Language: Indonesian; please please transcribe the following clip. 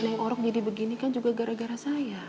neng orang jadi begini kan juga gara gara saya